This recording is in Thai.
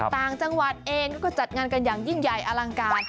ต่างจังหวัดเองก็จัดงานกันอย่างยิ่งใหญ่อลังการ